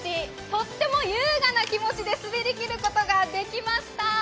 とっても優雅な気持ちで滑りきることができました。